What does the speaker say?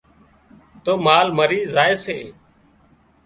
تو مال مرِي زائي سي